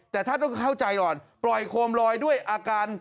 แต่ท่านต้องเข้าใจก่อนปล่อยโคมลอยด้วยอาการ